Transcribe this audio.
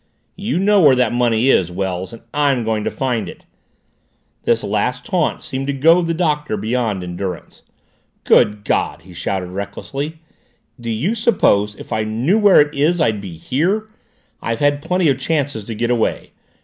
"You know where that money is, Wells, and I'm going to find it!" This last taunt seemed to goad the Doctor beyond endurance. "Good God!" he shouted recklessly. "Do you suppose if I knew where it is, I'd be here? I've had plenty of chances to get away!